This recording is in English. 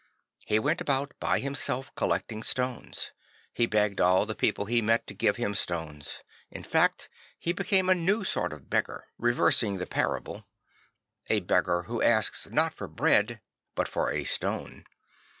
He went about by himself collecting stones. He begged all the people he met to give him stones. In fact he became a new sort of beggar, 64 St. Francis of Assisi reversing the parable; a beggar who asks not for bread but a stone.